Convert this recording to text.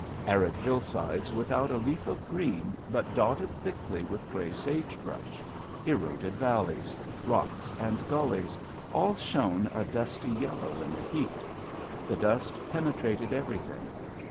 Arid hillsides without a leaf of green but dotted thickly with gray sagebrush, eroded valleys, rocks and gullies all shone a dusty yellow in the heat. The dust penetrated everything.